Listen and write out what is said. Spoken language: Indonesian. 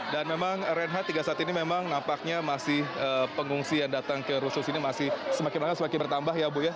dan memang renhardt tiga saat ini memang nampaknya masih pengungsi yang datang ke rusun sini masih semakin banyak semakin bertambah ya bu ya